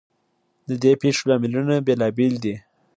ددې پیښو لاملونه بیلابیل دي.